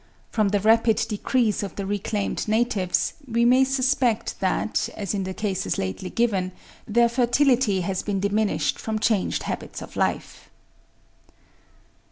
From the rapid decrease of the reclaimed natives, we may suspect that, as in the cases lately given, their fertility has been diminished from changed habits of life.